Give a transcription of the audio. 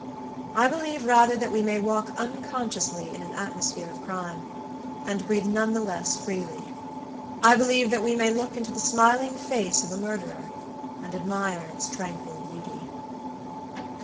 I believe rather that we may walk unconsciously in an atmosphere of crime, and breathe none the less freely. I believe that we may look into the smiling face of a murderer, and admire its tranquil beauty."